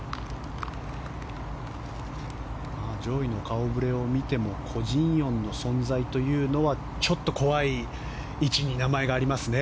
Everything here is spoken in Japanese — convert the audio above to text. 上位の顔ぶれを見てもコ・ジンヨンの存在というのはちょっと怖い位置に名前がありますね。